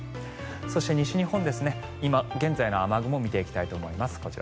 そして現在の西日本の雨雲を見ていきたいと思います。